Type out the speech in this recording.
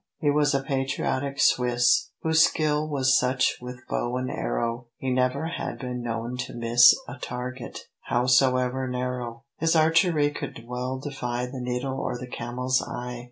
He was a patriotic Swiss, Whose skill was such with bow and arrow, He never had been known to miss A target, howsoever narrow; His archery could well defy The needle or the camel's eye.